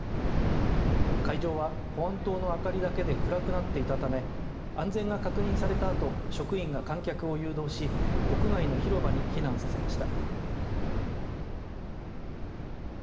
会場は保安灯の明かりだけで暗くなっていたため安全が確認されたあと職員が観客を誘導し屋外の広場に避難させました。